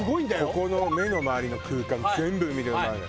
ここの目の周りの空間全部膿で埋まる。